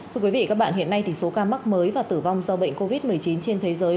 các bạn hiện nay số ca mắc mới và tử vong do bệnh covid một mươi chín trên thế giới